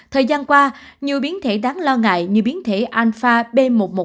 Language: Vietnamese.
thời gian qua nhiều biến thể đáng lo ngại như biến thể alpha b một một bảy